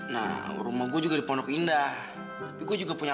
nah rumah gue juga di pondok indah